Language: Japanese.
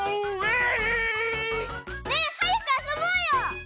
ねえはやくあそぼうよ！